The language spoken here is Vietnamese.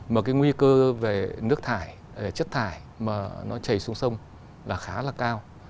mà cái nguy cơ về nước thải chất thải mà nó chảy xuống sông là khá là cao